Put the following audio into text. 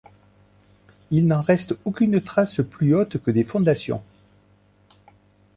Il n'en reste aucune trace plus haute que des fondations.